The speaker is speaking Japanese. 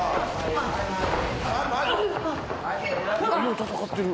・よう戦ってる。